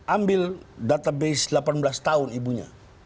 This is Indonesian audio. ambil database delapan belas tahun ibunya